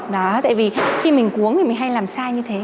đó tại vì khi mình uống thì mình hay làm sai như thế